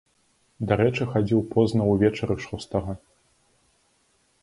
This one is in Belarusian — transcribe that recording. Дарэчы, хадзіў позна ўвечары шостага.